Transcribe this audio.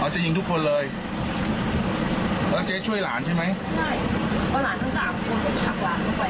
จะยิงทุกคนเลยแล้วเจ๊ช่วยหลานใช่ไหมใช่